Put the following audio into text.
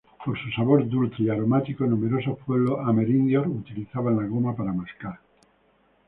Por su sabor dulce y aromático, numerosos pueblos amerindios utilizaban la goma para mascar.